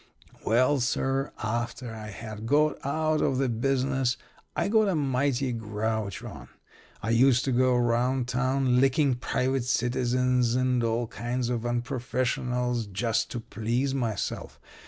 "Well, sir, after I had got out of the business, I got a mighty grouch on. I used to go round town licking private citizens and all kinds of unprofessionals just to please myself.